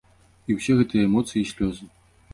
І ўсе гэтыя эмоцыі і слёзы.